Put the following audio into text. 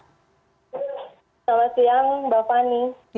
selamat siang mbak fani